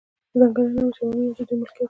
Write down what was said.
ځنګلونه او چمنونه د دوی ملکیت وو.